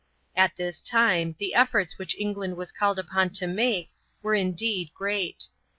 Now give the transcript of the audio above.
At this time the efforts which England was called upon to make were indeed great.